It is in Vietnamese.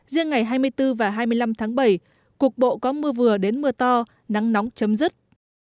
riêng ngày hai mươi bốn và hai mươi năm tháng bảy cục bộ có mưa vừa đến mưa to nắng nóng chấm dứt